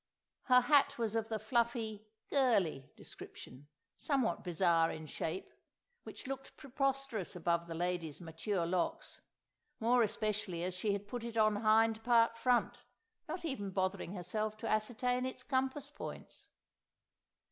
Her hat was of the fluffy "girlie" description, somewhat bizarre in shape, which looked preposterous above the lady's mature locks, more especially as she had put it on hind part front, not even bothering herself to ascertain its compass points.